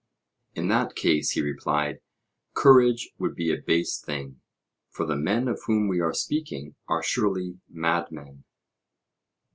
In that case, he replied, courage would be a base thing, for the men of whom we are speaking are surely madmen.